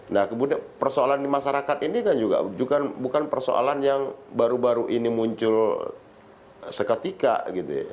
nah kemudian persoalan di masyarakat ini kan juga bukan persoalan yang baru baru ini muncul seketika gitu ya